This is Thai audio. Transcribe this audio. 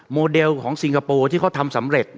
โมเดลของสิงคโปร์ที่เขาทำสำเร็จ